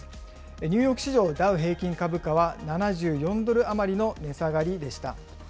ニューヨーク市場ダウ平均株価は７４ドル余りの値下がりでした。